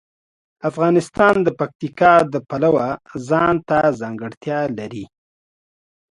افغانستان د پکتیکا د پلوه ځانته ځانګړتیا لري.